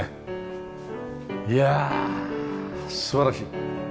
いやあ素晴らしい。